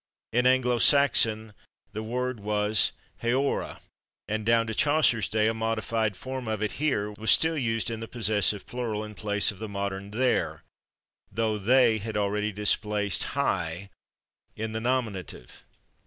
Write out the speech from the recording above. In Anglo Saxon the word was /heora/, and down to Chaucer's day a modified form of it, /here/, was still used in the possessive plural in place of the modern /their/, though /they/ had already displaced /hie/ in the nominative.